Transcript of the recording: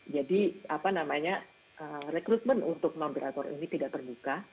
jadi apa namanya recruitment untuk moderator ini tidak terbuka